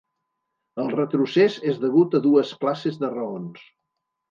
El retrocés és degut a dues classes de raons.